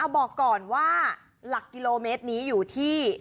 บอกก่อนว่าหลักกิโลเมตรนี้อยู่ที่